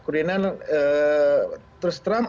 kuliner terus terang